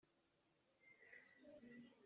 Ka ṭa nih hnatawnh a ka serh.